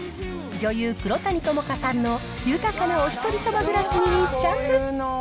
女優、黒谷友香さんの豊かなおひとりさま暮らしに密着。